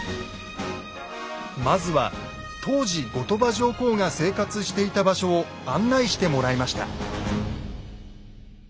まずは当時後鳥羽上皇が生活していた場所を案内してもらいました。